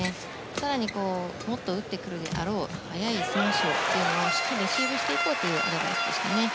更にもっと打ってくるであろう速いスマッシュをしっかりレシーブしていこうというアドバイスでしたね。